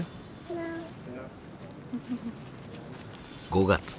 ５月。